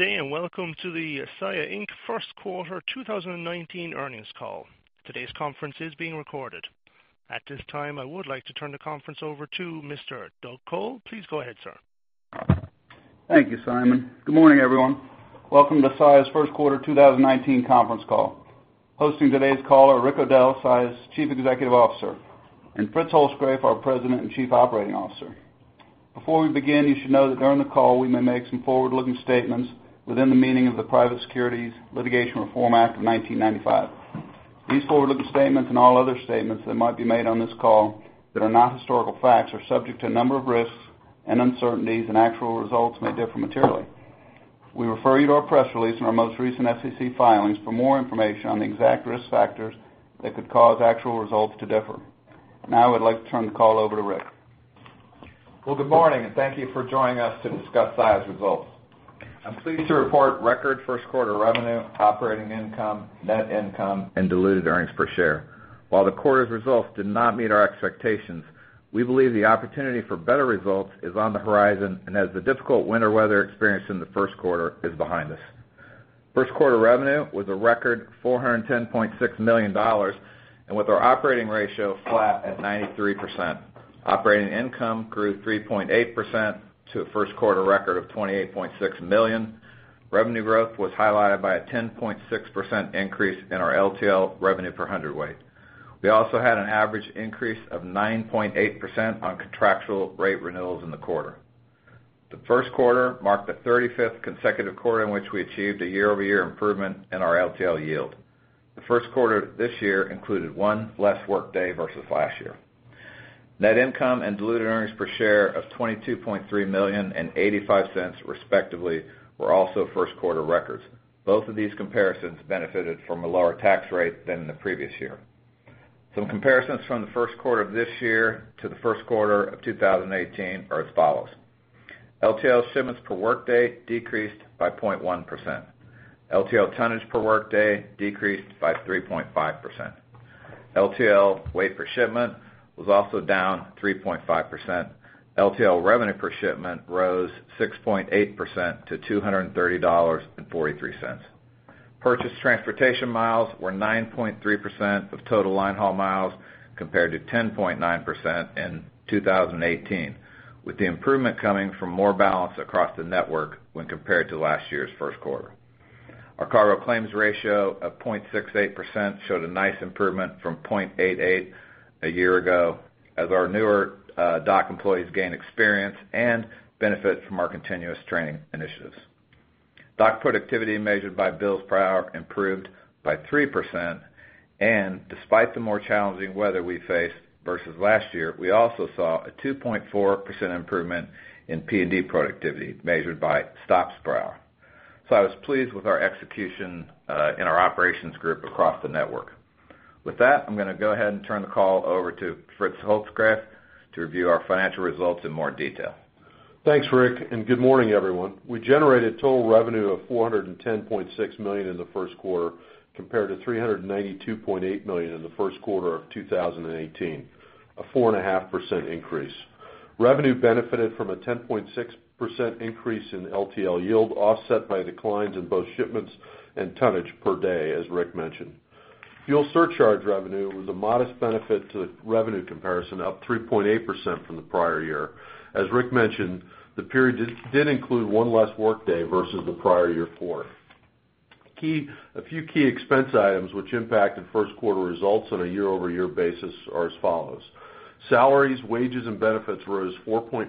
Good day, and welcome to the Saia, Inc. First Quarter 2019 earnings call. Today's conference is being recorded. At this time, I would like to turn the conference over to Mr. Douglas Col. Please go ahead, sir. Thank you, Simon. Good morning, everyone. Welcome to Saia's First Quarter 2019 conference call. Hosting today's call are Rick O'Dell, Saia's Chief Executive Officer, and Frederick Holzgrefe, our President and Chief Operating Officer. Before we begin, you should know that during the call, we may make some forward-looking statements within the meaning of the Private Securities Litigation Reform Act of 1995. These forward-looking statements, and all other statements that might be made on this call that are not historical facts, are subject to a number of risks and uncertainties, and actual results may differ materially. We refer you to our press release and our most recent SEC filings for more information on the exact risk factors that could cause actual results to differ. Now I would like to turn the call over to Rick. Well, good morning, and thank you for joining us to discuss Saia's results. I'm pleased to report record first-quarter revenue, operating income, net income and diluted earnings per share. While the quarter's results did not meet our expectations, we believe the opportunity for better results is on the horizon and as the difficult winter weather experienced in the first quarter is behind us. First quarter revenue was a record $410.6 million, and with our operating ratio flat at 93%. Operating income grew 3.8% to a first quarter record of $28.6 million. Revenue growth was highlighted by a 10.6% increase in our LTL revenue per hundred weight. We also had an average increase of 9.8% on contractual rate renewals in the quarter. The first quarter marked the 35th consecutive quarter in which we achieved a year-over-year improvement in our LTL yield. The first quarter of this year included one less workday versus last year. Net income and diluted earnings per share of $22.3 million and $0.85, respectively, were also first-quarter records. Both of these comparisons benefited from a lower tax rate than in the previous year. Some comparisons from the first quarter of this year to the first quarter of 2018 are as follows: LTL shipments per workday decreased by 0.1%. LTL tonnage per workday decreased by 3.5%. LTL weight per shipment was also down 3.5%. LTL revenue per shipment rose 6.8% to $230.43. Purchase transportation miles were 9.3% of total line haul miles compared to 10.9% in 2018, with the improvement coming from more balance across the network when compared to last year's first quarter. Our cargo claims ratio of 0.68% showed a nice improvement from 0.88% a year ago as our newer dock employees gain experience and benefit from our continuous training initiatives. Dock productivity measured by bills per hour improved by 3%, and despite the more challenging weather we faced versus last year, we also saw a 2.4% improvement in P&D productivity measured by stops per hour. I was pleased with our execution in our operations group across the network. With that, I'm going to go ahead and turn the call over to Frederick Holzgrefe to review our financial results in more detail. Thanks, Rick, and good morning, everyone. We generated total revenue of $410.6 million in the first quarter, compared to $392.8 million in the first quarter of 2018, a 4.5% increase. Revenue benefited from a 10.6% increase in LTL yield, offset by declines in both shipments and tonnage per day, as Rick mentioned. Fuel surcharge revenue was a modest benefit to the revenue comparison, up 3.8% from the prior year. As Rick mentioned, the period did include one less workday versus the prior year quarter. A few key expense items which impacted first quarter results on a year-over-year basis are as follows. Salaries, wages, and benefits rose 4.4%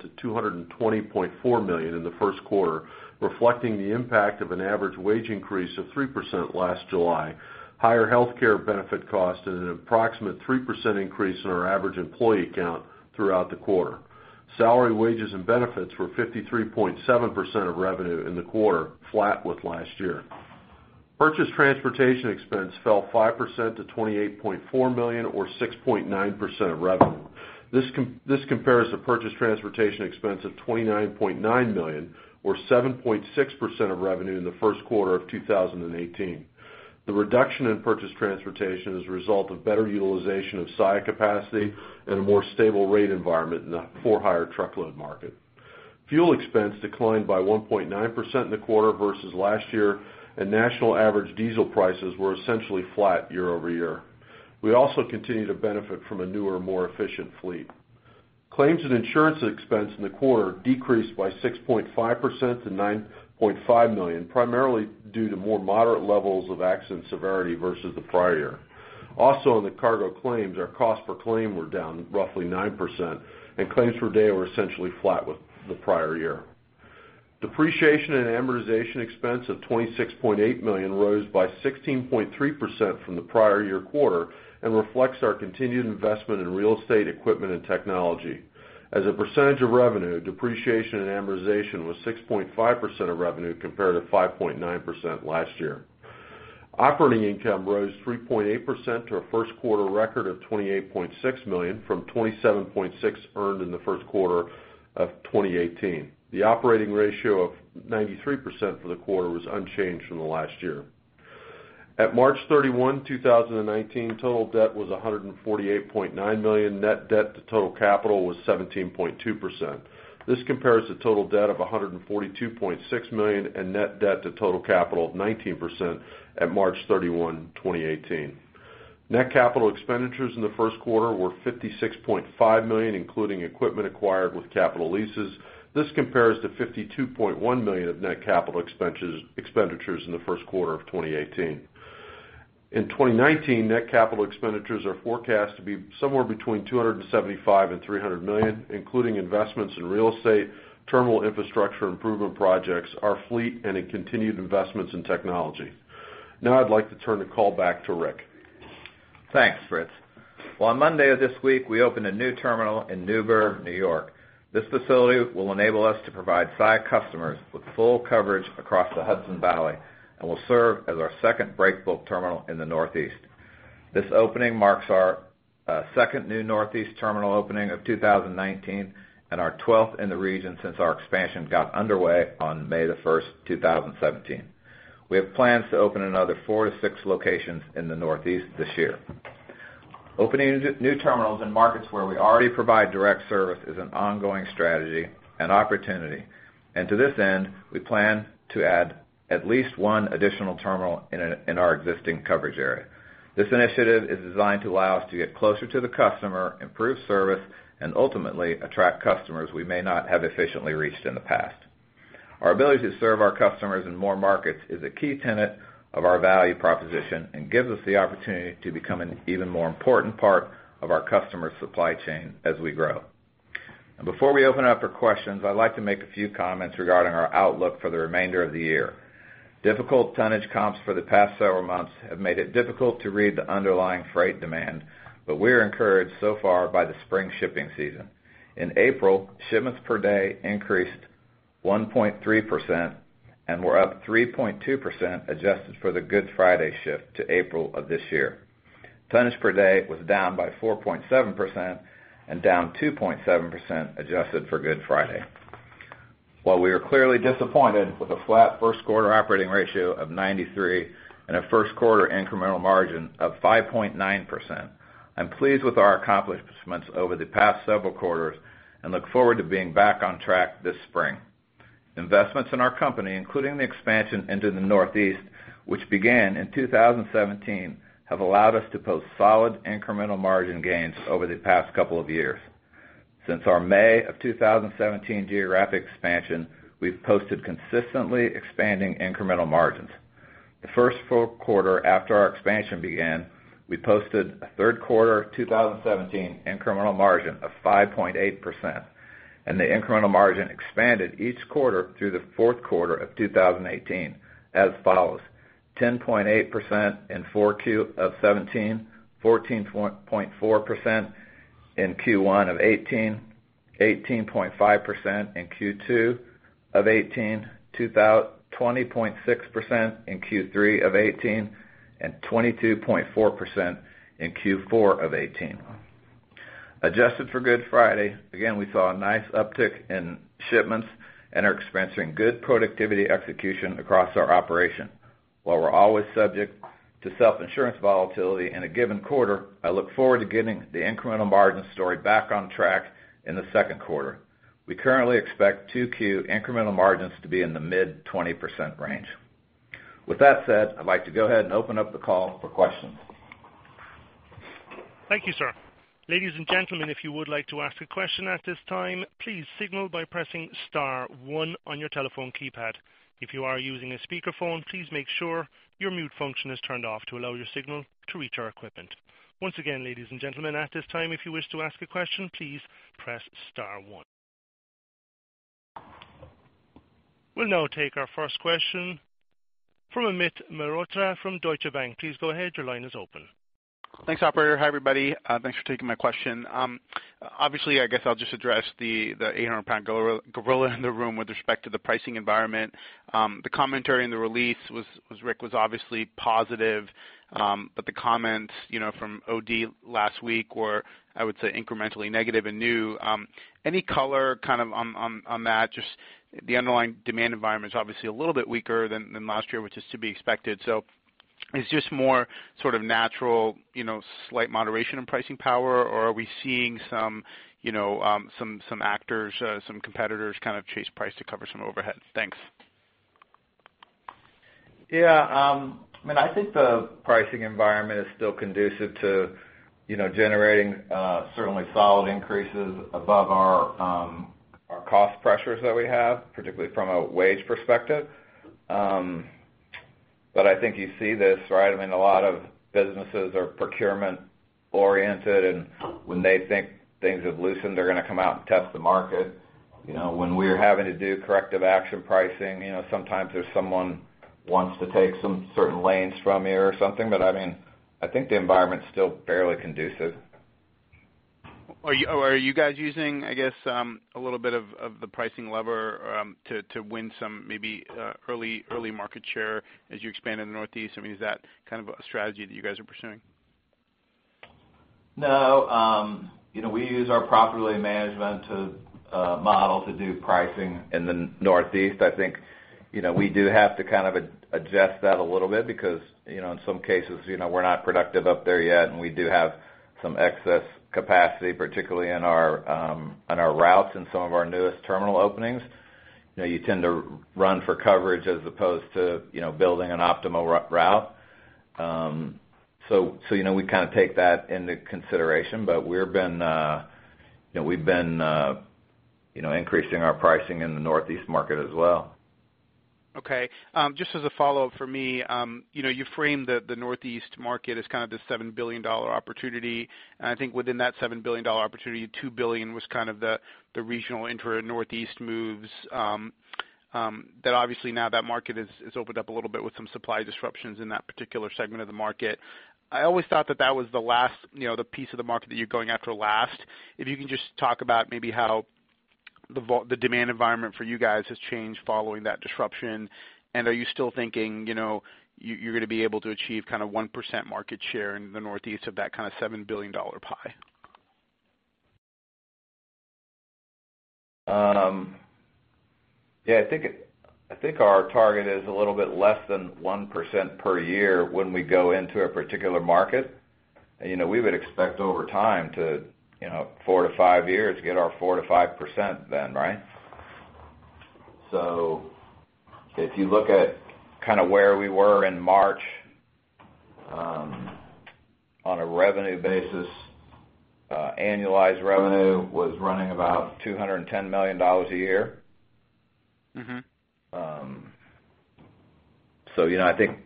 to $220.4 million in the first quarter, reflecting the impact of an average wage increase of 3% last July, higher healthcare benefit cost, and an approximate 3% increase in our average employee count throughout the quarter. Salary, wages, and benefits were 53.7% of revenue in the quarter, flat with last year. Purchase transportation expense fell 5% to $28.4 million or 6.9% of revenue. This compares to purchase transportation expense of $29.9 million or 7.6% of revenue in the first quarter of 2018. The reduction in purchase transportation is a result of better utilization of Saia capacity and a more stable rate environment in the for-hire truckload market. Fuel expense declined by 1.9% in the quarter versus last year, and national average diesel prices were essentially flat year-over-year. We also continue to benefit from a newer, more efficient fleet. Claims and insurance expense in the quarter decreased by 6.5% to $9.5 million, primarily due to more moderate levels of accident severity versus the prior year. In the cargo claims, our cost per claim were down roughly 9%, and claims per day were essentially flat with the prior year. Depreciation and amortization expense of $26.8 million rose by 16.3% from the prior year quarter and reflects our continued investment in real estate, equipment, and technology. As a percentage of revenue, depreciation, and amortization was 6.5% of revenue compared to 5.9% last year. Operating income rose 3.8% to a first quarter record of $28.6 million from $27.6 earned in the first quarter of 2018. The operating ratio of 93% for the quarter was unchanged from the last year. At March 31, 2019, total debt was $148.9 million. Net debt to total capital was 17.2%. This compares to total debt of $142.6 million and net debt to total capital of 19% at March 31, 2018. Net capital expenditures in the first quarter were $56.5 million, including equipment acquired with capital leases. This compares to $52.1 million of net capital expenditures in the first quarter of 2018. In 2019, net capital expenditures are forecast to be somewhere between $275 million and $300 million, including investments in real estate, terminal infrastructure improvement projects, our fleet, and in continued investments in technology. I'd like to turn the call back to Rick. Thanks, Fritz. On Monday of this week, we opened a new terminal in Newburgh, New York. This facility will enable us to provide Saia customers with full coverage across the Hudson Valley and will serve as our second break bulk terminal in the Northeast. This opening marks our second new Northeast terminal opening of 2019 and our 12th in the region since our expansion got underway on May 1st, 2017. We have plans to open another four to six locations in the Northeast this year. Opening new terminals in markets where we already provide direct service is an ongoing strategy and opportunity. To this end, we plan to add at least one additional terminal in our existing coverage area. This initiative is designed to allow us to get closer to the customer, improve service, and ultimately attract customers we may not have efficiently reached in the past. Our ability to serve our customers in more markets is a key tenet of our value proposition and gives us the opportunity to become an even more important part of our customers' supply chain as we grow. Before we open up for questions, I'd like to make a few comments regarding our outlook for the remainder of the year. Difficult tonnage comps for the past several months have made it difficult to read the underlying freight demand, but we are encouraged so far by the spring shipping season. In April, shipments per day increased 1.3% and were up 3.2% adjusted for the Good Friday shift to April of this year. Tonnage per day was down by 4.7% and down 2.7% adjusted for Good Friday. While we are clearly disappointed with a flat first quarter operating ratio of 93 and a first quarter incremental margin of 5.9%, I'm pleased with our accomplishments over the past several quarters and look forward to being back on track this spring. Investments in our company, including the expansion into the Northeast, which began in 2017, have allowed us to post solid incremental margin gains over the past couple of years. Since our May of 2017 geographic expansion, we've posted consistently expanding incremental margins. The first full quarter after our expansion began, we posted a third quarter 2017 incremental margin of 5.8%, and the incremental margin expanded each quarter through the fourth quarter of 2018 as follows: 10.8% in Q4 of 2017, 14.4% in Q1 of 2018, 18.5% in Q2 of 2018, 20.6% in Q3 of 2018, and 22.4% in Q4 of 2018. Adjusted for Good Friday, we saw a nice uptick in shipments and are experiencing good productivity execution across our operation. While we're always subject to self-insurance volatility in a given quarter, I look forward to getting the incremental margin story back on track in the second quarter. We currently expect 2Q incremental margins to be in the mid 20% range. With that said, I'd like to go ahead and open up the call for questions. Thank you, sir. Ladies and gentlemen, if you would like to ask a question at this time, please signal by pressing star one on your telephone keypad. If you are using a speakerphone, please make sure your mute function is turned off to allow your signal to reach our equipment. Once again, ladies and gentlemen, at this time, if you wish to ask a question, please press star one. We'll now take our first question from Amit Mehrotra from Deutsche Bank. Please go ahead. Your line is open. Thanks, operator. Hi, everybody. Thanks for taking my question. I guess I'll just address the 800-pound gorilla in the room with respect to the pricing environment. The commentary in the release, Rick, was obviously positive. The comments from OD last week were, I would say, incrementally negative and new. Any color kind of on that? The underlying demand environment is obviously a little bit weaker than last year, which is to be expected. Is this more sort of natural slight moderation in pricing power, or are we seeing some actors, some competitors kind of chase price to cover some overheads? Thanks. Yeah. I think the pricing environment is still conducive to generating certainly solid increases above our cost pressures that we have, particularly from a wage perspective. I think you see this, right? A lot of businesses are procurement oriented, and when they think things have loosened, they're going to come out and test the market. When we are having to do corrective action pricing, sometimes there's someone wants to take some certain lanes from you or something. I think the environment's still fairly conducive. Are you guys using, I guess, a little bit of the pricing lever to win some maybe early market share as you expand in the Northeast? Is that kind of a strategy that you guys are pursuing? No. We use our proprietary management model to do pricing in the Northeast. I think we do have to kind of adjust that a little bit because, in some cases, we're not productive up there yet, and we do have some excess capacity, particularly on our routes in some of our newest terminal openings. You tend to run for coverage as opposed to building an optimal route. We kind of take that into consideration. We've been increasing our pricing in the Northeast market as well. Okay. Just as a follow-up for me, you framed the Northeast market as kind of this $7 billion opportunity, and I think within that $7 billion opportunity, $2 billion was kind of the regional intra-Northeast moves, that obviously now that market has opened up a little bit with some supply disruptions in that particular segment of the market. I always thought that that was the piece of the market that you're going after last. If you can just talk about maybe how the demand environment for you guys has changed following that disruption, and are you still thinking you're going to be able to achieve 1% market share in the Northeast of that $7 billion pie? Yeah. I think our target is a little bit less than 1% per year when we go into a particular market. We would expect over time to, four to five years, get our 4%-5% then, right? If you look at kind of where we were in March, on a revenue basis, annualized revenue was running about $210 million a year. I think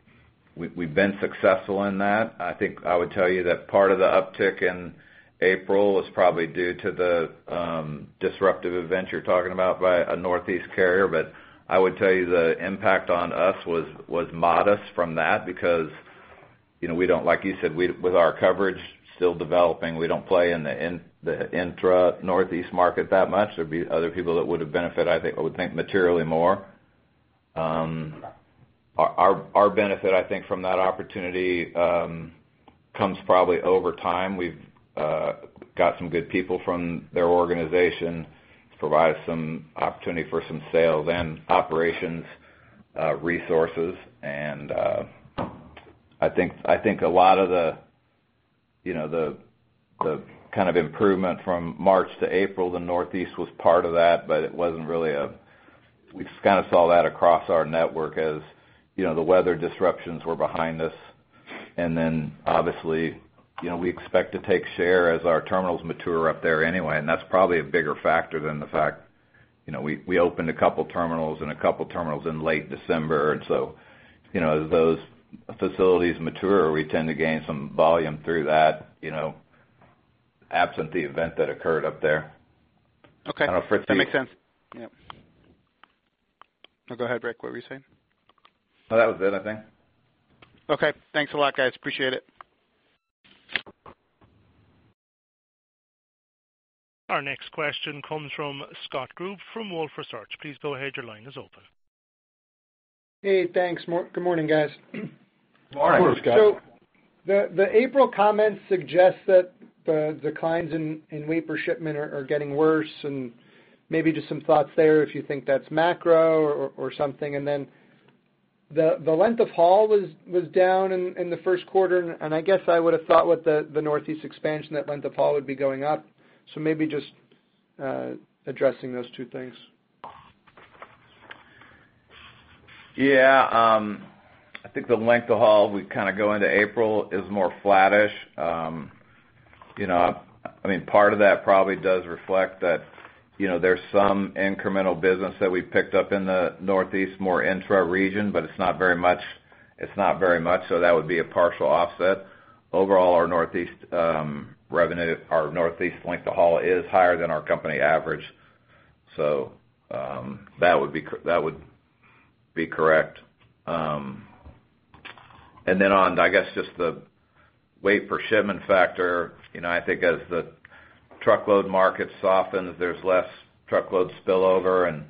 we've been successful in that. I think I would tell you that part of the uptick in April is probably due to the disruptive event you're talking about by a Northeast carrier. I would tell you the impact on us was modest from that because like you said, with our coverage still developing, we don't play in the intra-Northeast market that much. There'd be other people that would've benefited, I would think, materially more. Our benefit, I think from that opportunity, comes probably over time. We've got some good people from their organization, provide some opportunity for some sales and operations resources. I think a lot of the kind of improvement from March to April, the Northeast was part of that, but we just kind of saw that across our network as the weather disruptions were behind us. Obviously, we expect to take share as our terminals mature up there anyway, and that's probably a bigger factor than the fact we opened a couple terminals and a couple terminals in late December. As those facilities mature, we tend to gain some volume through that, absent the event that occurred up there. Okay. That makes sense. Yep. Go ahead, Rick. What were you saying? That was it, I think. Okay. Thanks a lot, guys. Appreciate it. Our next question comes from Scott Group from Wolfe Research. Please go ahead. Your line is open. Hey, thanks. Good morning, guys. Morning. Sure, Scott. The April comments suggest that the declines in weight per shipment are getting worse and maybe just some thoughts there if you think that's macro or something. The length of haul was down in the first quarter, and I guess I would have thought with the Northeast expansion that length of haul would be going up. Maybe just addressing those two things. I think the length of haul, we kind of go into April is more flattish. Part of that probably does reflect that there's some incremental business that we picked up in the Northeast, more intra region, but it's not very much. That would be a partial offset. Overall, our Northeast length of haul is higher than our company average. That would be correct. On, I guess, just the weight per shipment factor, I think as the truckload market softens, there's less truckload spillover and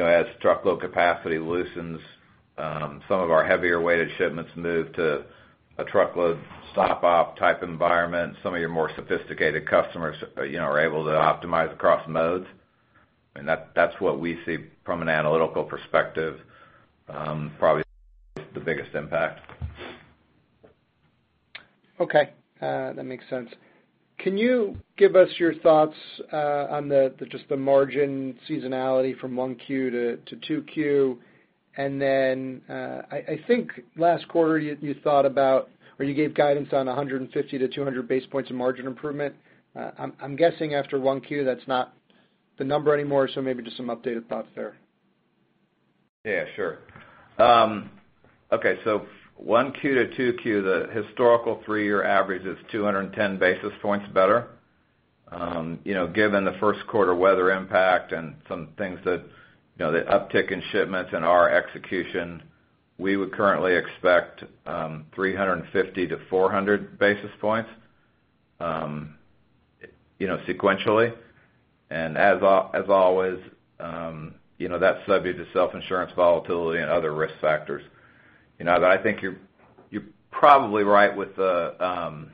as truckload capacity loosens, some of our heavier-weighted shipments move to a truckload stop-off type environment. Some of your more sophisticated customers are able to optimize across modes. That's what we see from an analytical perspective probably is the biggest impact. That makes sense. Can you give us your thoughts on just the margin seasonality from 1Q to 2Q? I think last quarter, you thought about, or you gave guidance on 150-200 basis points of margin improvement. I'm guessing after 1Q, that's not the number anymore. Maybe just some updated thoughts there. 1Q to 2Q, the historical three-year average is 210 basis points better. Given the first quarter weather impact and some things that the uptick in shipments and our execution, we would currently expect 350-400 basis points. Sequentially, as always, that's subject to self-insurance volatility and other risk factors. I think you're probably right with the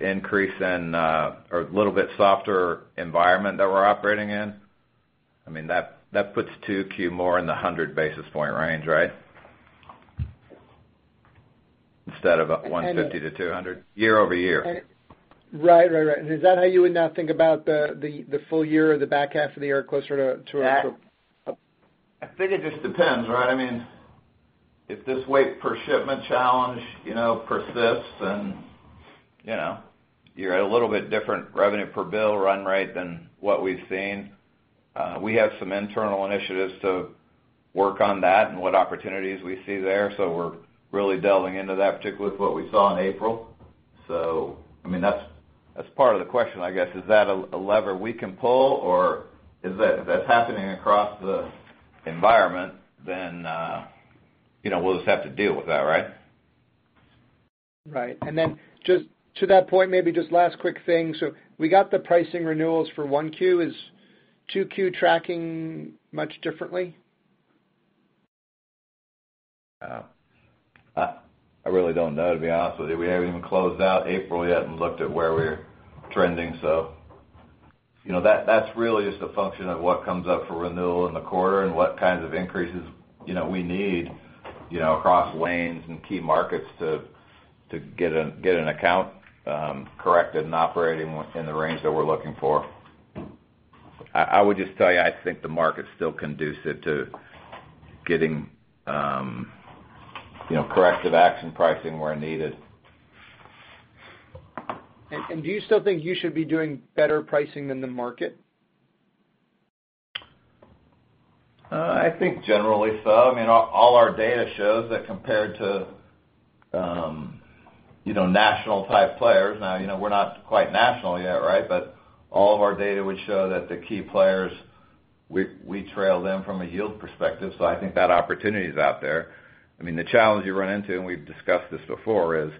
increase in, or a little bit softer environment that we're operating in. That puts 2Q more in the 100 basis points range, right? Instead of 150-200 year-over-year. Right. Is that how you would now think about the full year or the back half of the year closer to- I think it just depends, right? If this weight per shipment challenge persists and you're at a little bit different revenue per bill run rate than what we've seen. We have some internal initiatives to work on that and what opportunities we see there, so we're really delving into that, particularly with what we saw in April. That's part of the question, I guess. Is that a lever we can pull, or if that's happening across the environment, then we'll just have to deal with that, right? Right. Just to that point, maybe just last quick thing. We got the pricing renewals for 1Q. Is 2Q tracking much differently? I really don't know, to be honest with you. We haven't even closed out April yet and looked at where we're trending. That's really just a function of what comes up for renewal in the quarter and what kinds of increases we need across lanes and key markets to get an account corrected and operating in the range that we're looking for. I would just tell you, I think the market's still conducive to getting corrective action pricing where needed. Do you still think you should be doing better pricing than the market? I think generally so. All our data shows that compared to national type players, now we're not quite national yet. All of our data would show that the key players, we trail them from a yield perspective. I think that opportunity is out there. The challenge you run into, and we've discussed this before, is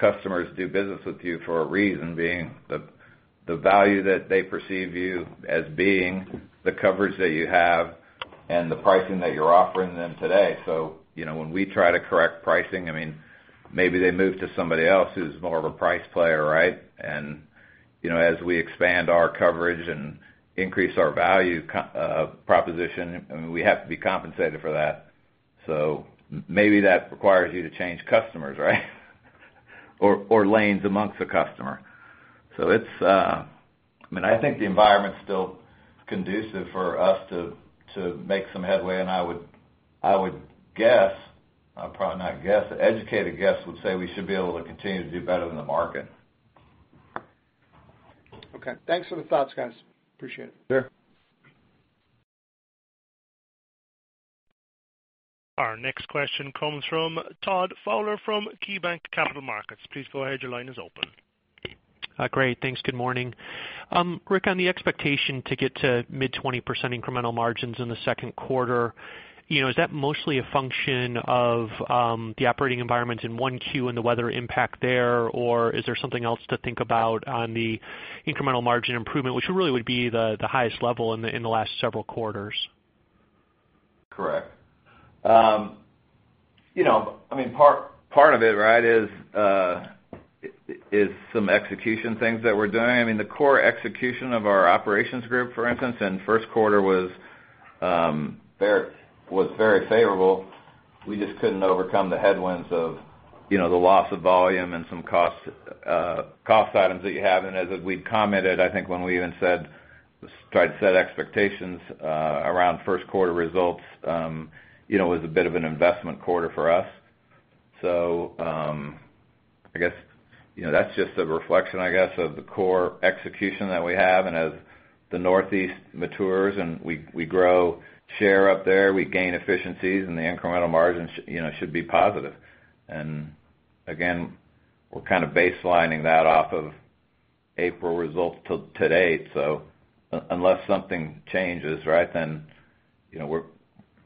customers do business with you for a reason, being the value that they perceive you as being, the coverage that you have, and the pricing that you're offering them today. When we try to correct pricing, maybe they move to somebody else who's more of a price player. As we expand our coverage and increase our value proposition, we have to be compensated for that. Maybe that requires you to change customers, right? Or lanes amongst a customer. I think the environment's still conducive for us to make some headway, and I would guess, probably not guess, an educated guess would say we should be able to continue to do better than the market. Okay. Thanks for the thoughts, guys. Appreciate it. Sure. Our next question comes from Todd Fowler from KeyBanc Capital Markets. Please go ahead, your line is open. Great. Thanks. Good morning. Rick, on the expectation to get to mid-20% incremental margins in the second quarter, is that mostly a function of the operating environment in 1Q and the weather impact there, or is there something else to think about on the incremental margin improvement, which really would be the highest level in the last several quarters? Correct. Part of it is some execution things that we're doing. The core execution of our operations group, for instance, in first quarter was very favorable. We just couldn't overcome the headwinds of the loss of volume and some cost items that you have. As we'd commented, I think when we even said, let's try to set expectations around first quarter results, it was a bit of an investment quarter for us. That's just a reflection, I guess, of the core execution that we have. As the Northeast matures and we grow share up there, we gain efficiencies, and the incremental margins should be positive. Again, we're kind of baselining that off of April results till to date. Unless something changes, then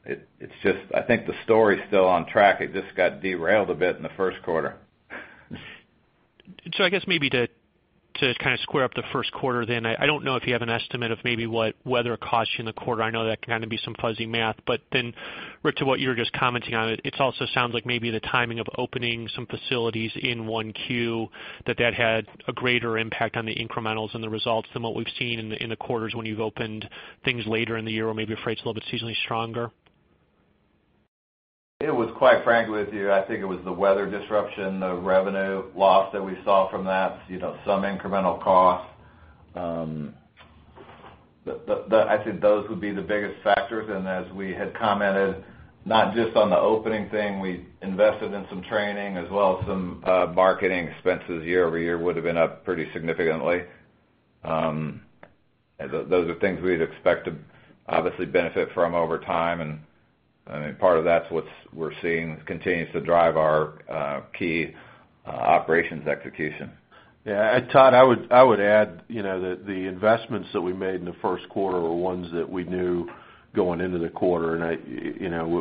it's just, I think the story's still on track. It just got derailed a bit in the first quarter. I guess maybe to square up the first quarter then, I don't know if you have an estimate of maybe what weather cost you in the quarter. I know that can kind of be some fuzzy math. Rick, to what you were just commenting on, it also sounds like maybe the timing of opening some facilities in 1Q, that that had a greater impact on the incrementals and the results than what we've seen in the quarters when you've opened things later in the year or maybe freight's a little bit seasonally stronger. It was, quite frankly with you, I think it was the weather disruption, the revenue loss that we saw from that, some incremental cost. I think those would be the biggest factors. As we had commented, not just on the opening thing, we invested in some training as well as some marketing expenses year-over-year would have been up pretty significantly. Those are things we'd expect to obviously benefit from over time, and part of that's what we're seeing continues to drive our key operations execution. Yeah. Todd, I would add that the investments that we made in the first quarter were ones that we knew going into the quarter.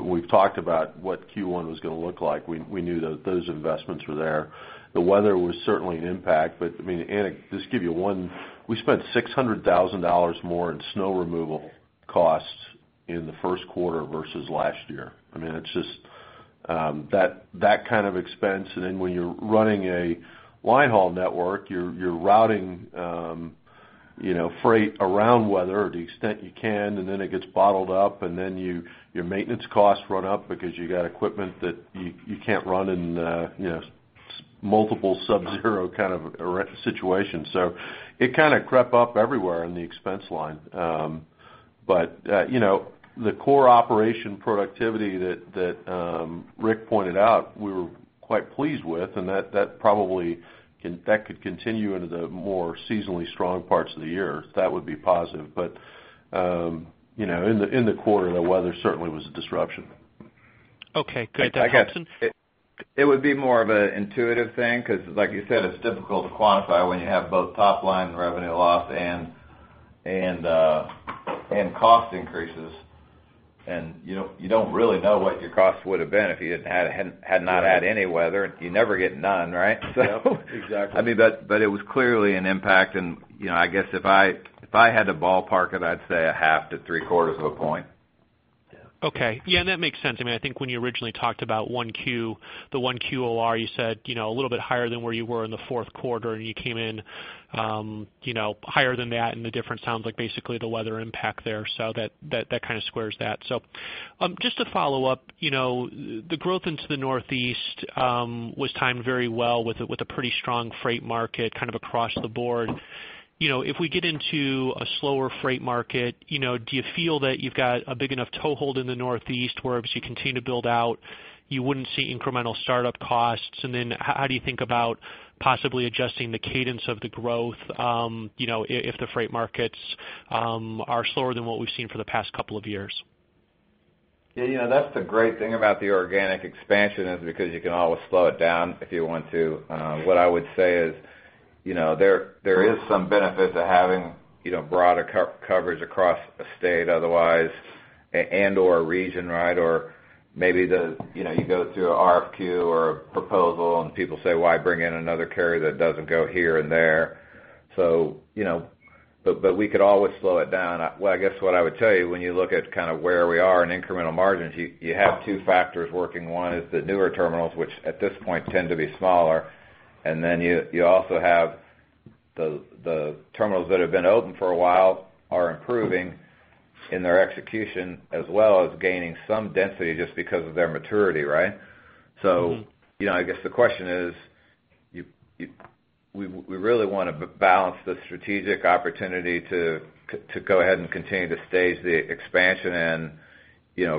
We've talked about what Q1 was going to look like. We knew that those investments were there. The weather was certainly an impact. Just to give you one, we spent $600,000 more in snow removal costs in the first quarter versus last year. That kind of expense, then when you're running a line haul network, you're routing freight around weather to the extent you can, and then it gets bottled up, and then your maintenance costs run up because you got equipment that you can't run in multiple subzero kind of situations. It kind of crept up everywhere in the expense line. The core operation productivity that Rick pointed out, we were quite pleased with, that could continue into the more seasonally strong parts of the year. That would be positive. In the quarter, the weather certainly was a disruption. Okay, good. Rick O'Dell? It would be more of an intuitive thing, because like you said, it's difficult to quantify when you have both top-line revenue loss and cost increases. You don't really know what your costs would have been if you had not had any weather. You never get none, right? Yep, exactly. It was clearly an impact and I guess if I had to ballpark it, I'd say a half to three-quarters of a point. Yeah. Okay. Yeah, that makes sense. I think when you originally talked about the 1Q OR, you said a little bit higher than where you were in the fourth quarter. You came in higher than that, the difference sounds like basically the weather impact there. That kind of squares that. Just to follow up, the growth into the Northeast was timed very well with a pretty strong freight market kind of across the board. If we get into a slower freight market, do you feel that you've got a big enough toehold in the Northeast where obviously you continue to build out, you wouldn't see incremental startup costs? Then how do you think about possibly adjusting the cadence of the growth if the freight markets are slower than what we've seen for the past couple of years? Yeah, that's the great thing about the organic expansion is because you can always slow it down if you want to. What I would say is, there is some benefit to having broader coverage across a state otherwise, and/or a region, right? Or maybe you go through an RFQ or a proposal and people say, "Why bring in another carrier that doesn't go here and there?" We could always slow it down. Well, I guess what I would tell you, when you look at where we are in incremental margins, you have two factors working. One is the newer terminals, which at this point tend to be smaller, and then you also have the terminals that have been open for a while are improving in their execution as well as gaining some density just because of their maturity, right? I guess the question is, we really want to balance the strategic opportunity to go ahead and continue to stage the expansion in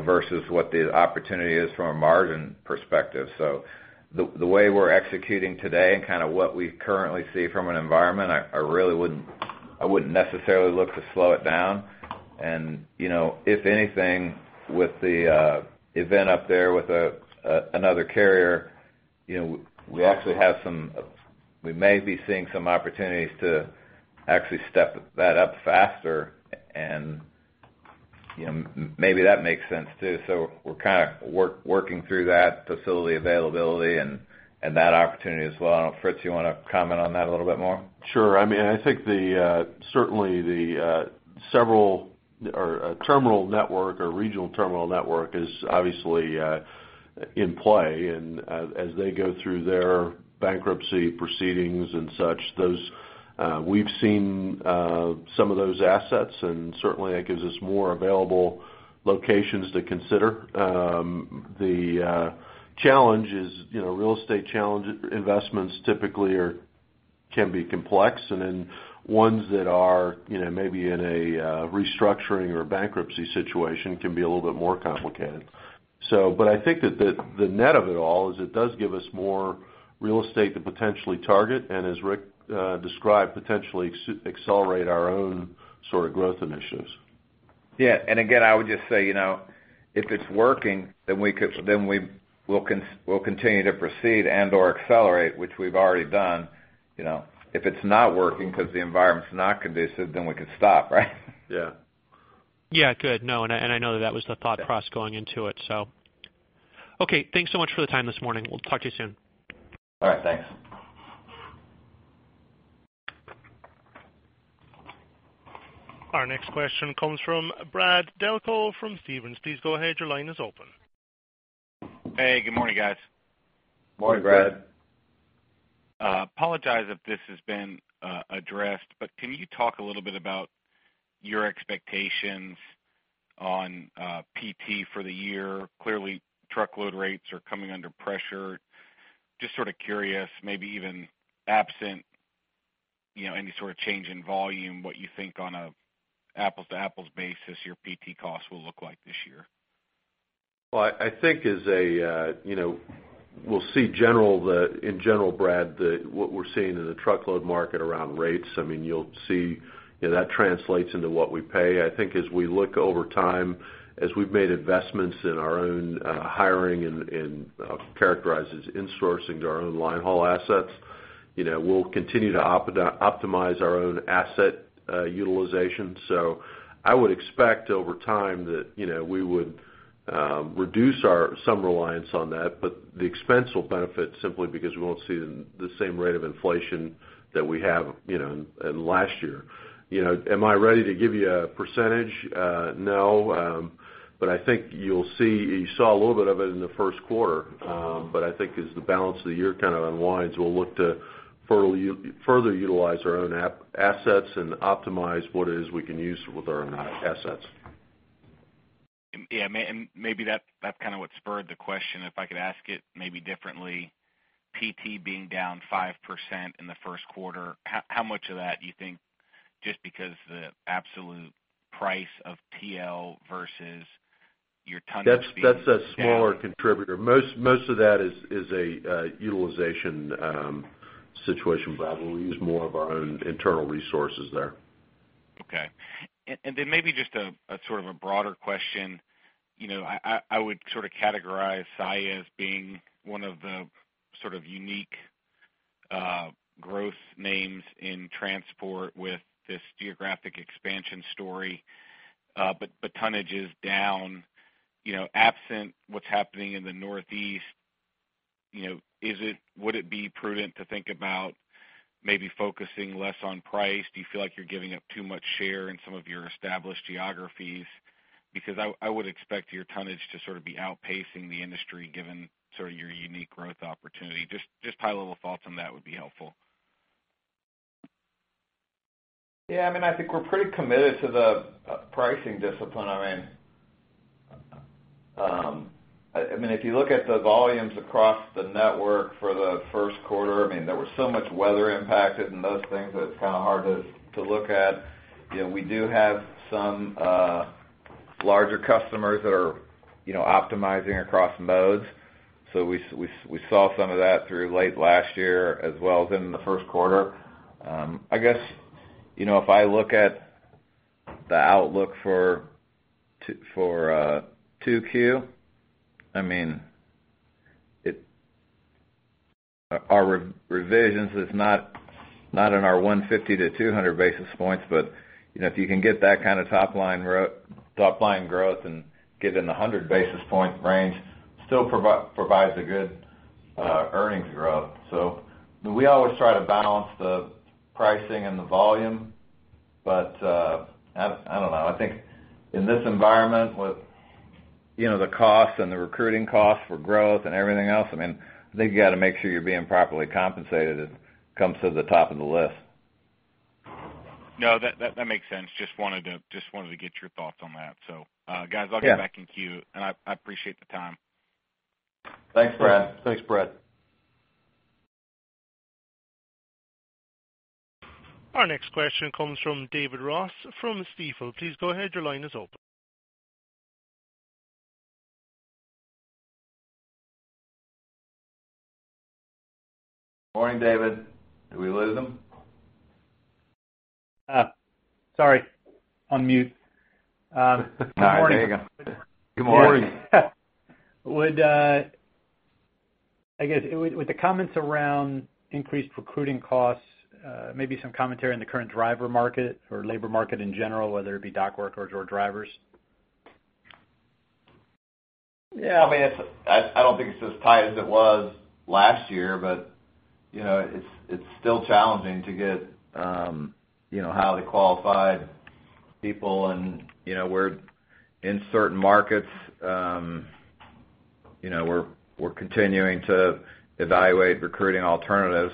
versus what the opportunity is from a margin perspective. The way we're executing today and what we currently see from an environment, I wouldn't necessarily look to slow it down. If anything, with the event up there with another carrier, we may be seeing some opportunities to actually step that up faster, and maybe that makes sense, too. We're kind of working through that facility availability and that opportunity as well. I know, Fritz, you want to comment on that a little bit more? Sure. I think certainly the terminal network or regional terminal network is obviously in play. As they go through their bankruptcy proceedings and such, we've seen some of those assets and certainly that gives us more available locations to consider. The challenge is real estate investments typically can be complex, and then ones that are maybe in a restructuring or bankruptcy situation can be a little bit more complicated. I think that the net of it all is it does give us more real estate to potentially target, and as Rick described, potentially accelerate our own sort of growth initiatives. Yeah. Again, I would just say if it's working, then we'll continue to proceed and/or accelerate, which we've already done. If it's not working because the environment's not conducive, then we could stop, right? Yeah. Yeah, good. No, I know that that was the thought process going into it. Okay, thanks so much for the time this morning. We'll talk to you soon. All right, thanks. Our next question comes from Brad Delco from Stephens. Please go ahead, your line is open. Hey, good morning, guys. Morning, Brad. Morning, Brad. Apologize if this has been addressed, can you talk a little bit about your expectations on PT for the year? Clearly truckload rates are coming under pressure. Just sort of curious, maybe even absent any sort of change in volume, what you think on an apples-to-apples basis your PT costs will look like this year? Well, I think we'll see in general, Brad, that what we're seeing in the truckload market around rates, you'll see that translates into what we pay. I think as we look over time, as we've made investments in our own hiring and I'll characterize as insourcing to our own line haul assets, we'll continue to optimize our own asset utilization. I would expect over time that we would reduce some reliance on that, but the expense will benefit simply because we won't see the same rate of inflation that we have in last year. Am I ready to give you a percentage? No. I think you saw a little bit of it in the first quarter. I think as the balance of the year kind of unwinds, we'll look to further utilize our own assets and optimize what it is we can use with our assets. Yeah. Maybe that's what spurred the question, if I could ask it maybe differently. PT being down 5% in the first quarter, how much of that you think just because the absolute price of TL versus your tonnage being down? That's a smaller contributor. Most of that is a utilization situation, we use more of our own internal resources there. Okay. Maybe just a sort of a broader question. I would sort of categorize Saia as being one of the sort of unique growth names in transport with this geographic expansion story. Tonnage is down. Absent what's happening in the Northeast, would it be prudent to think about maybe focusing less on price? Do you feel like you're giving up too much share in some of your established geographies? I would expect your tonnage to sort of be outpacing the industry, given sort of your unique growth opportunity. Just high-level thoughts on that would be helpful. Yeah, I think we're pretty committed to the pricing discipline. If you look at the volumes across the network for the first quarter, there was so much weather impacted and those things that it's hard to look at. We do have some larger customers that are optimizing across modes. We saw some of that through late last year as well as in the first quarter. I guess, if I look at the outlook for 2Q, our revisions is not in our 150-200 basis points, but if you can get that kind of top line growth and get in the 100 basis point range, still provides a good earnings growth. We always try to balance the pricing and the volume. I don't know. I think in this environment, with the cost and the recruiting costs for growth and everything else, I think you got to make sure you're being properly compensated. It comes to the top of the list. No, that makes sense. Just wanted to get your thoughts on that. Yeah I'll get back in queue, and I appreciate the time. Thanks, Brad. Our next question comes from David Ross from Stifel. Please go ahead, your line is open. Morning, David. Did we lose him? Sorry. On mute. Good morning. There you go. Good morning. I guess with the comments around increased recruiting costs, maybe some commentary on the current driver market or labor market in general, whether it be dock workers or drivers. Yeah. I don't think it's as tight as it was last year, but it's still challenging to get highly qualified people and we're in certain markets, we're continuing to evaluate recruiting alternatives.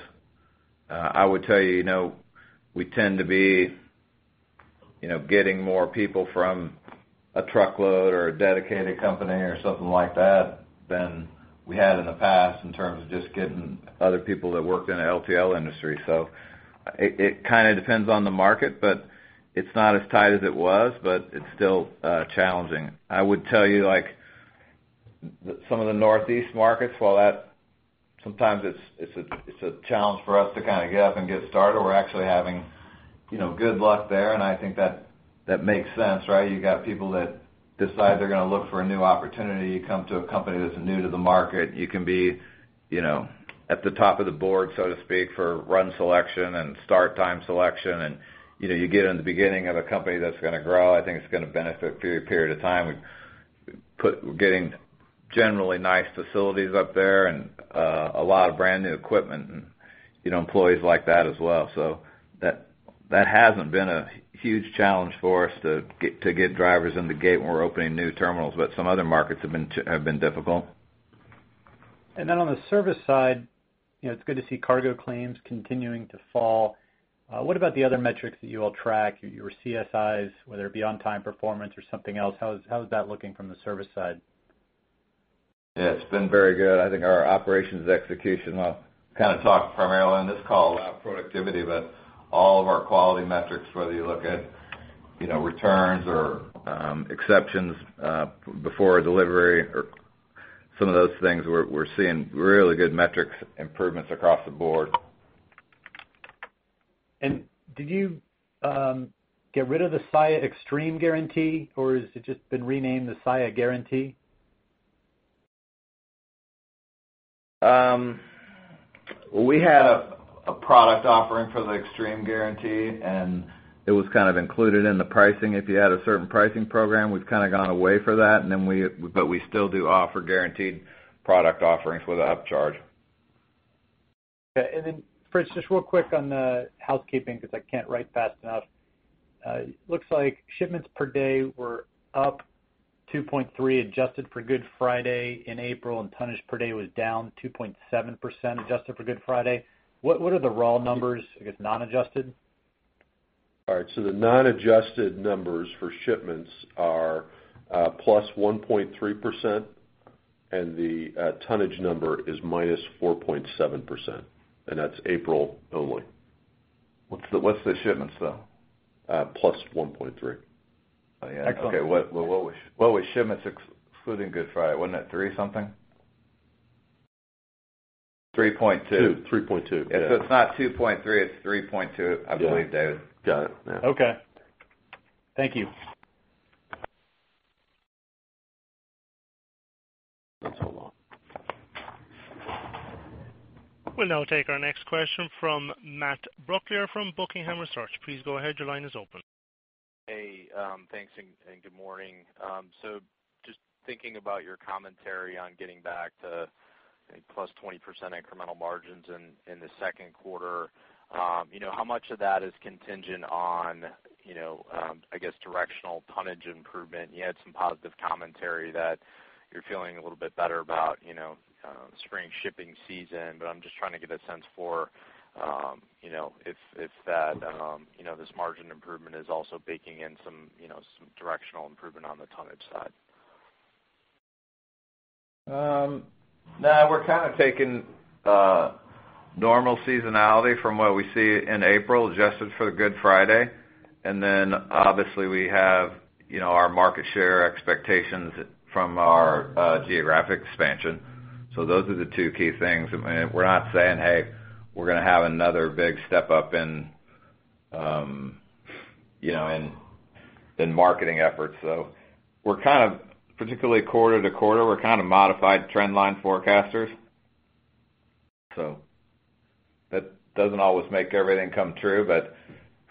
I would tell you, we tend to be getting more people from a truckload or a dedicated company or something like that than we had in the past, in terms of just getting other people that worked in the LTL industry. It kind of depends on the market, but it's not as tight as it was, but it's still challenging. I would tell you, some of the Northeast markets, while that sometimes it's a challenge for us to kind of get up and get started, we're actually having good luck there, and I think that makes sense, right? You got people that decide they're going to look for a new opportunity. You come to a company that's new to the market. You can be at the top of the board, so to speak, for run selection and start time selection, and you get in the beginning of a company that's going to grow. I think it's going to benefit for a period of time. We're getting generally nice facilities up there and a lot of brand-new equipment, and employees like that as well. That hasn't been a huge challenge for us to get drivers in the gate when we're opening new terminals. Some other markets have been difficult. On the service side, it's good to see cargo claims continuing to fall. What about the other metrics that you all track, your CSIs, whether it be on-time performance or something else? How is that looking from the service side? Yeah, it's been very good. I think our operations execution, I'll talk primarily on this call about productivity, but all of our quality metrics, whether you look at returns or exceptions before a delivery or some of those things, we're seeing really good metrics improvements across the board. Did you get rid of the Saia Xtreme Guarantee, or has it just been renamed the Saia Guarantee? We had a product offering for the Xtreme Guarantee, it was kind of included in the pricing if you had a certain pricing program. We've kind of gone away from that, we still do offer guaranteed product offerings with a upcharge. Okay. Fritz, just real quick on the housekeeping because I can't write fast enough. Looks like shipments per day were up 2.3% adjusted for Good Friday in April, tonnage per day was down 2.7% adjusted for Good Friday. What are the raw numbers, I guess, non-adjusted? All right. The non-adjusted numbers for shipments are plus 1.3%, and the tonnage number is minus 4.7%, and that's April only. What's the shipments, though? +1.3. Oh, yeah. Okay. What was shipments excluding Good Friday? Wasn't that three-something? 3.2. 3.2. It's not 2.3, it's 3.2, I believe, David. Got it, yeah. Okay. Thank you. We'll now take our next question from Matt Brooklier from Buckingham Research. Please go ahead. Your line is open. Hey, thanks, and good morning. Just thinking about your commentary on getting back to, I think, +20% incremental margins in the second quarter. How much of that is contingent on, I guess, directional tonnage improvement? You had some positive commentary that you're feeling a little bit better about spring shipping season, I'm just trying to get a sense for if this margin improvement is also baking in some directional improvement on the tonnage side. No, we're kind of taking normal seasonality from what we see in April, adjusted for the Good Friday. Obviously we have our market share expectations from our geographic expansion. Those are the two key things. We're not saying, hey, we're going to have another big step up in marketing efforts. Particularly quarter to quarter, we're kind of modified trend line forecasters. That doesn't always make everything come true.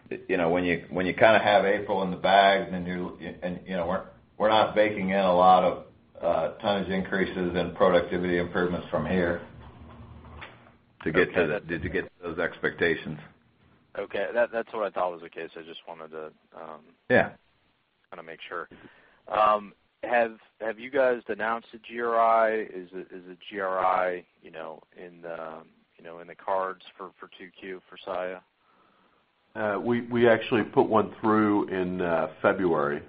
When you kind of have April in the bag, we're not baking in a lot of tonnage increases and productivity improvements from here. To get to those expectations. Okay. That's what I thought was the case. I just wanted. Yeah. kind of make sure. Have you guys announced a GRI? Is a GRI in the cards for 2Q for Saia? We actually put one through in February.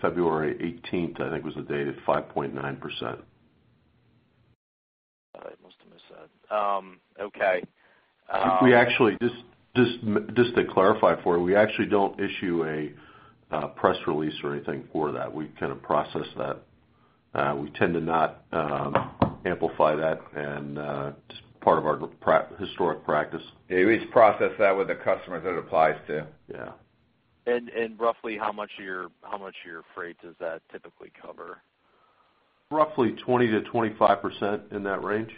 February 18th, I think was the date. At 5.9%. I must have missed that. Okay. Just to clarify for you, we actually don't issue a press release or anything for that. We kind of process that. We tend to not amplify that, and just part of our historic practice. Yeah. We just process that with the customers that it applies to. Yeah. Roughly how much of your freight does that typically cover? Roughly 20%-25%, in that range.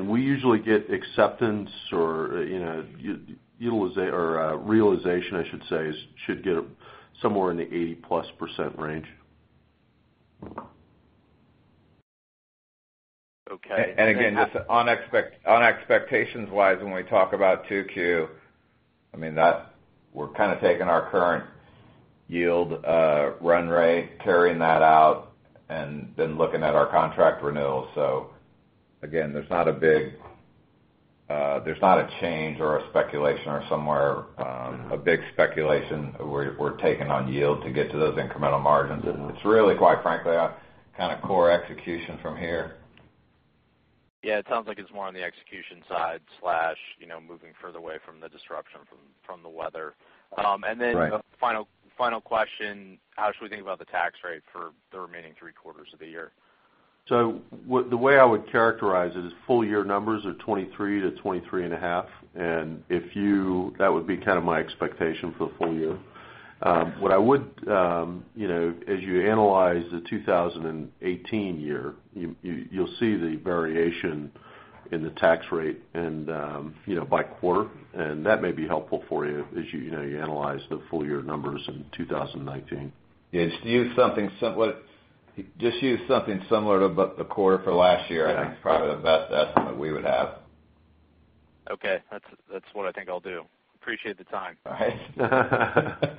We usually get acceptance or realization, I should say, should get somewhere in the 80%+ range. Okay. Again, just on expectations-wise, when we talk about 2Q, we're kind of taking our current yield run rate, carrying that out, and then looking at our contract renewals. Again, there's not a change or a big speculation we're taking on yield to get to those incremental margins. It's really, quite frankly, a kind of core execution from here. Yeah. It sounds like it's more on the execution side slash moving further away from the disruption from the weather. Right. A final question, how should we think about the tax rate for the remaining three quarters of the year? The way I would characterize it is full year numbers are 23%-23.5%. That would be kind of my expectation for the full year. As you analyze the 2018 year, you'll see the variation in the tax rate by quarter. That may be helpful for you as you analyze the full year numbers in 2019. Yeah. Just use something similar to the quarter for last year, I think is probably the best estimate we would have. Okay. That's what I think I'll do. Appreciate the time. All right.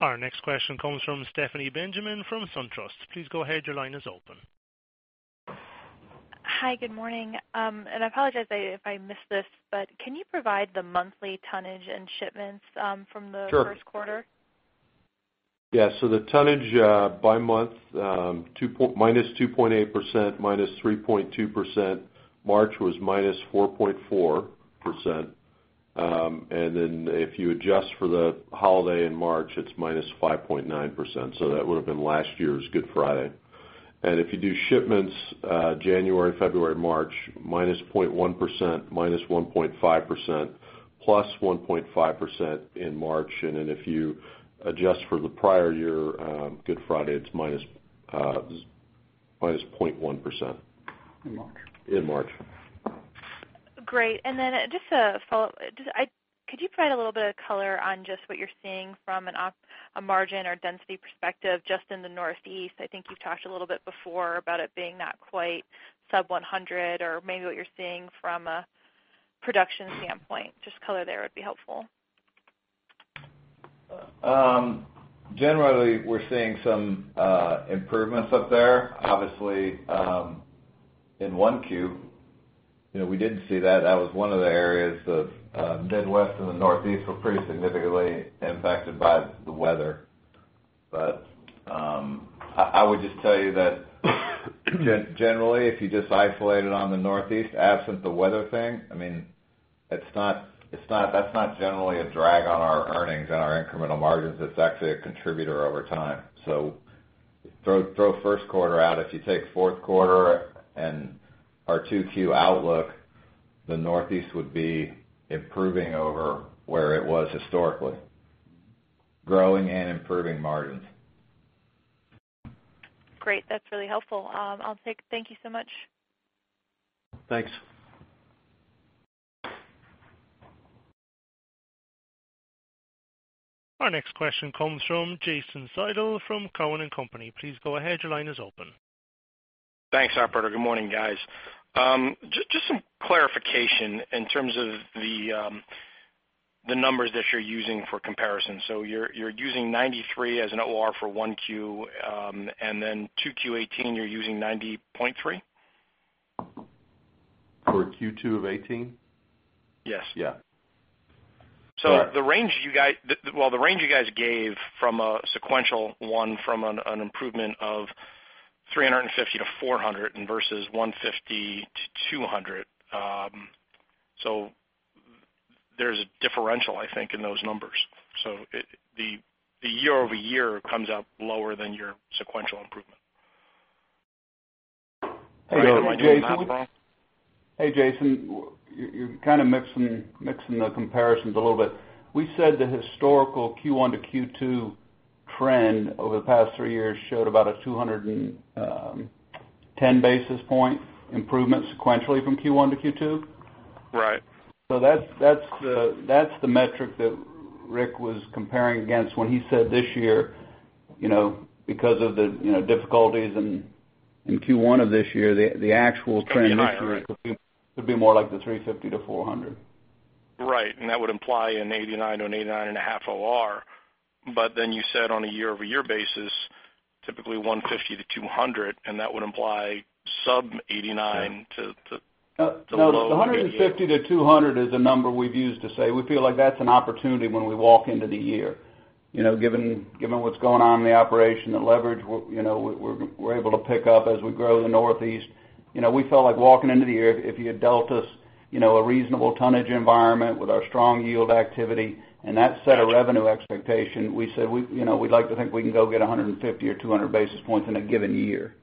Our next question comes from Stephanie Benjamin from SunTrust. Please go ahead. Your line is open. Hi. Good morning. I apologize if I missed this, but can you provide the monthly tonnage and shipments from the first quarter? Sure. Yeah. The tonnage by month, -2.8%, -3.2%. March was minus 4.4%. If you adjust for the holiday in March, it's -5.9%. That would have been last year's Good Friday. If you do shipments January, February, March, -0.1%, -1.5%, +1.5% in March. If you adjust for the prior year Good Friday, it's -0.1%. In March. In March. Great. Just a follow-up. Could you provide a little bit of color on just what you're seeing from a margin or density perspective just in the Northeast? I think you've talked a little bit before about it being not quite sub 100 or maybe what you're seeing from a production standpoint. Just color there would be helpful. Generally, we're seeing some improvements up there. Obviously, in 1Q, we didn't see that. That was one of the areas of Midwest and the Northeast were pretty significantly impacted by the weather. I would just tell you that generally, if you just isolate it on the Northeast, absent the weather thing, that's not generally a drag on our earnings and our incremental margins. It's actually a contributor over time. Throw first quarter out. If you take fourth quarter and our 2Q outlook, the Northeast would be improving over where it was historically. Growing and improving margins. Great. That's really helpful. Thank you so much. Thanks. Our next question comes from Jason Seidl from Cowen and Company. Please go ahead. Your line is open. Thanks, operator. Good morning, guys. Just some clarification in terms of the numbers that you're using for comparison. You're using 93 as an OR for 1Q, and then 2Q 2018, you're using 90.3? For Q2 of 2018? Yes. Yeah. The range you guys gave from a sequential one from an improvement of 350-400 and versus 150-200. There's a differential, I think, in those numbers. The year-over-year comes up lower than your sequential improvement. Am I doing the math wrong? Hey, Jason Seidl. You're kind of mixing the comparisons a little bit. We said the historical Q1-Q2 trend over the past three years showed about a 210 basis points improvement sequentially from Q1-Q2. Right. That's the metric that Rick was comparing against when he said this year, because of the difficulties in Q1 of this year, the actual trend this year could be more like the 350-400. Right. That would imply an 89 or an 89.5 OR. You said on a year-over-year basis, typically 150-200, and that would imply sub 89 to below 98. No. The 150-200 is the number we've used to say we feel like that's an opportunity when we walk into the year. Given what's going on in the operation, the leverage, we're able to pick up as we grow the Northeast. We felt like walking into the year, if you had dealt us a reasonable tonnage environment with our strong yield activity and that set of revenue expectation, we said we'd like to think we can go get 150 or 200 basis points in a given year.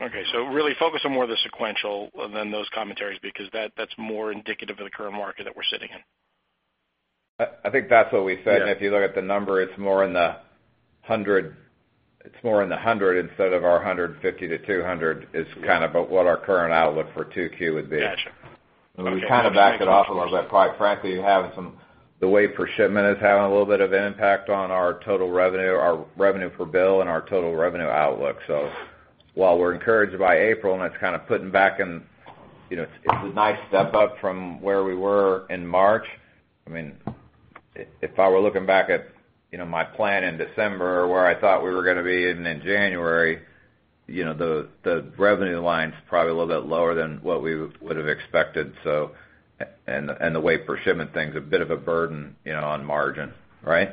Okay. Really focus on more of the sequential than those commentaries, because that's more indicative of the current market that we're sitting in. I think that's what we said. If you look at the number, it's more in the 100 instead of our 150-200 is kind of what our current outlook for 2Q would be. Got you. Okay. We kind of backed it off a little bit, quite frankly, the weight per shipment is having a little bit of an impact on our total revenue, our revenue per bill, and our total revenue outlook. While we're encouraged by April, and it's a nice step up from where we were in March. If I were looking back at my plan in December where I thought we were going to be and in January, the revenue line's probably a little bit lower than what we would have expected. The weight per shipment thing is a bit of a burden on margin. Right?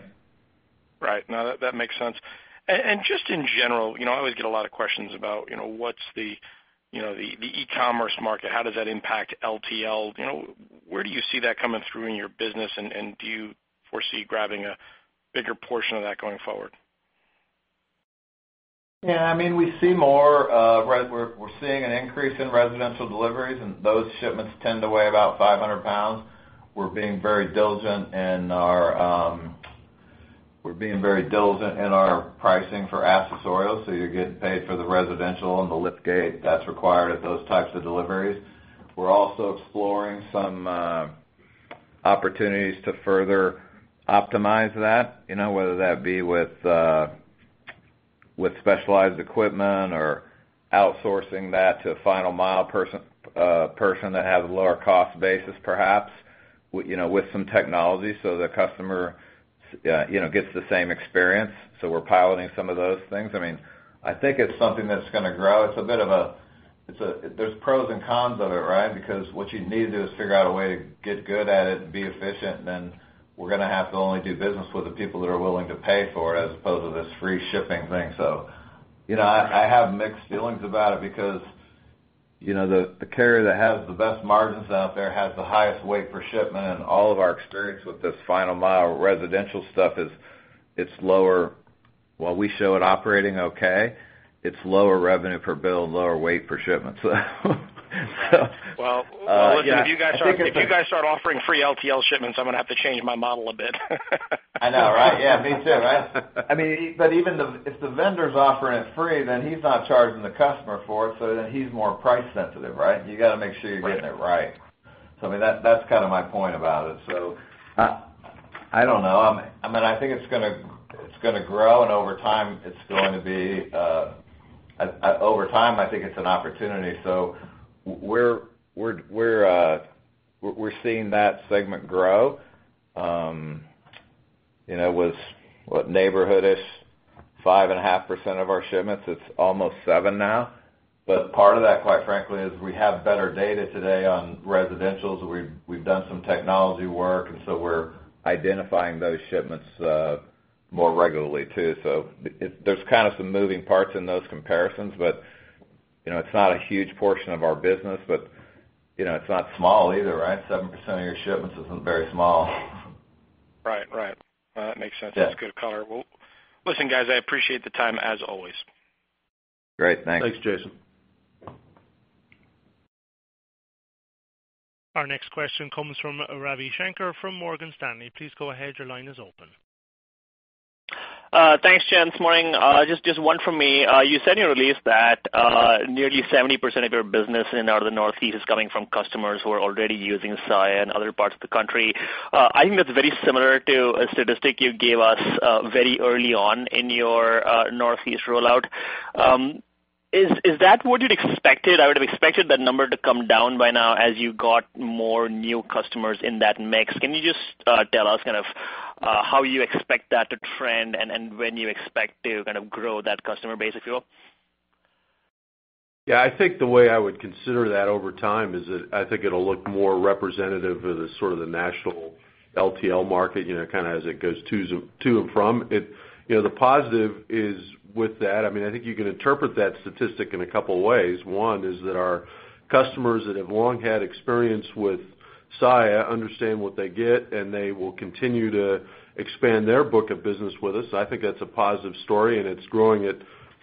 Right. No, that makes sense. Just in general, I always get a lot of questions about what's the e-commerce market. How does that impact LTL? Where do you see that coming through in your business, and do you foresee grabbing a bigger portion of that going forward? Yeah, we're seeing an increase in residential deliveries, those shipments tend to weigh about 500 pounds. We're being very diligent in our pricing for accessorial, so you're getting paid for the residential and the lift gate that's required at those types of deliveries. We're also exploring some opportunities to further optimize that, whether that be with specialized equipment or outsourcing that to a final mile person that has a lower cost basis perhaps, with some technology so the customer gets the same experience. We're piloting some of those things. I think it's something that's going to grow. There's pros and cons of it, right? What you need to do is figure out a way to get good at it and be efficient, we're going to have to only do business with the people that are willing to pay for it as opposed to this free shipping thing. I have mixed feelings about it because the carrier that has the best margins out there has the highest weight per shipment. All of our experience with this final mile residential stuff is it's lower. While we show it operating okay, it's lower revenue per bill, lower weight per shipment. Well, listen, if you guys start offering free LTL shipments, I'm going to have to change my model a bit. I know, right? Yeah, me too, right? If the vendor's offering it free, he's not charging the customer for it, he's more price sensitive, right? You got to make sure you're getting it right. That's my point about it. I don't know. I think it's going to grow. Over time, I think it's an opportunity. We're seeing that segment grow. Was, what, neighborhood-ish, 5.5% of our shipments? It's almost seven now. Part of that, quite frankly, is we have better data today on residentials. We've done some technology work, we're identifying those shipments more regularly, too. There's some moving parts in those comparisons, but it's not a huge portion of our business, but it's not small either, right? 7% of your shipments isn't very small. Right. No, that makes sense. Yeah. That's good color. Well, listen, guys, I appreciate the time, as always. Great. Thanks. Thanks, Jason. Our next question comes from Ravi Shanker from Morgan Stanley. Please go ahead, your line is open. Thanks, gents. Morning. Just one from me. You said in your release that nearly 70% of your business in out of the Northeast is coming from customers who are already using Saia in other parts of the country. I think that's very similar to a statistic you gave us very early on in your Northeast rollout. Is that what you'd expected? I would've expected that number to come down by now as you got more new customers in that mix. Can you just tell us how you expect that to trend and when you expect to grow that customer base, if you will? Yeah, I think the way I would consider that over time is that I think it'll look more representative of the national LTL market, kind of as it goes to and from. The positive is with that, I think you can interpret that statistic in a couple ways. One is that our customers that have long had experience with Saia understand what they get, and they will continue to expand their book of business with us. I think that's a positive story, and it's growing at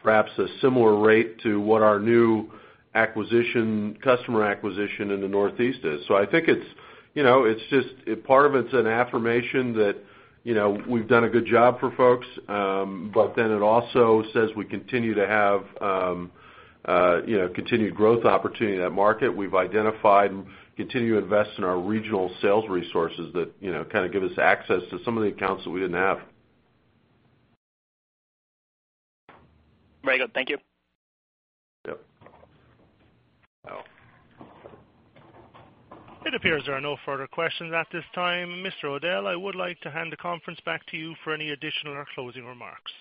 perhaps a similar rate to what our new customer acquisition in the Northeast is. I think part of it's an affirmation that we've done a good job for folks. It also says we continue to have continued growth opportunity in that market. We've identified and continue to invest in our regional sales resources that give us access to some of the accounts that we didn't have. Very good. Thank you. Yep. Al. It appears there are no further questions at this time. Mr. O'Dell, I would like to hand the conference back to you for any additional or closing remarks.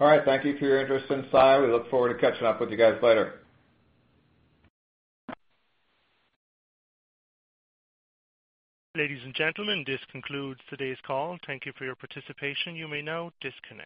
All right. Thank you for your interest in Saia. We look forward to catching up with you guys later. Ladies and gentlemen, this concludes today's call. Thank you for your participation. You may now disconnect.